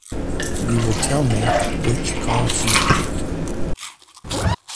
You will tell me which cards you picked.